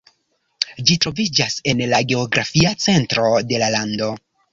Ĝi troviĝas en la geografia centro de la lando.